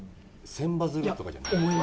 千羽鶴とかじゃない？